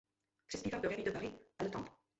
Přispíval do "Revue de Paris" a "Le Temps".